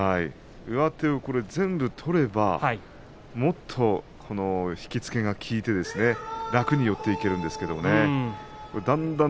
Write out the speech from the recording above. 上手を全部取ればもっと引き付けが効いて楽に寄っていけるんですけどね。